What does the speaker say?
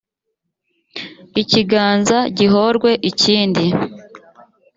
ikiganza gihorwe ikindi,